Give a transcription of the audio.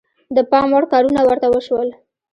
د پام وړ کارونه ورته وشول.